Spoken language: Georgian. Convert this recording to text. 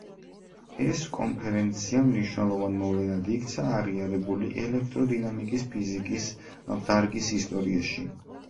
ეს კონფერენცია მნიშვნელოვან მოვლენად იქნა აღიარებული ელექტროდინამიკის ფიზიკის დარგის ისტორიაში.